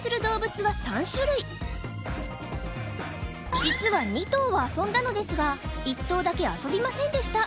実は２頭は遊んだのですが１頭だけ遊びませんでした